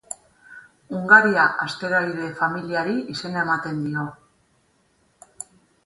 Hungaria asteroide familiari izena ematen dio.